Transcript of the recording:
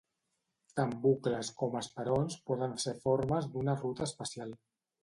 Tant bucles com esperons poden ser formes d'una ruta especial.